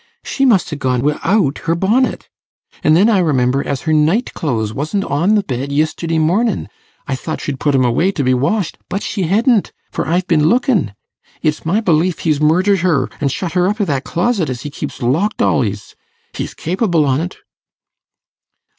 She must ha' gone wi'out her bonnet. An' then I remember as her night clothes wasn't on the bed yisterday mornin'; I thought she'd put 'em away to be washed; but she hedn't, for I've been lookin'. It's my belief he's murdered her, and shut her up i' that closet as he keeps locked al'ys. He's capible on't.